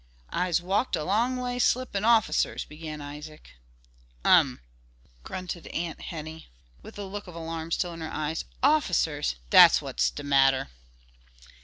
"I'se walk'd a long way slippin' officers"–began Isaac. "Um!" grunted Aunt Henny, with the look of alarm still in her eyes, "officers! dat's what's de matter."